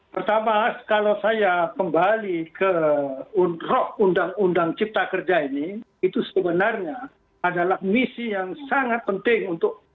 pertama kalau saya kembali ke roh undang undang cipta kerja ini itu sebenarnya adalah misi yang sangat penting untuk